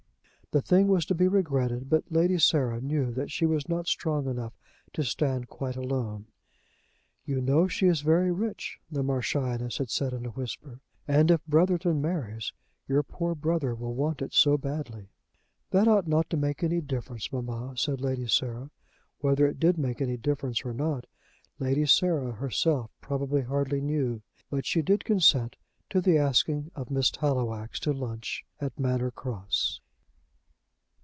The thing was to be regretted, but Lady Sarah knew that she was not strong enough to stand quite alone. "You know she is very rich," the Marchioness had said in a whisper; "and if Brotherton marries, your poor brother will want it so badly." "That ought not to make any difference, mamma," said Lady Sarah. Whether it did make any difference or not, Lady Sarah herself probably hardly knew; but she did consent to the asking of Miss Tallowax to lunch at Manor Cross.